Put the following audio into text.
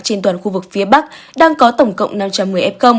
trên toàn khu vực phía bắc đang có tổng cộng năm trăm một mươi f